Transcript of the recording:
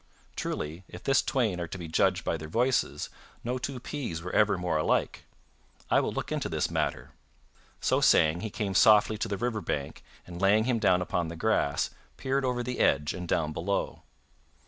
Truly, if this twain are to be judged by their voices, no two peas were ever more alike. I will look into this matter." So saying, he came softly to the river bank and laying him down upon the grass, peered over the edge and down below.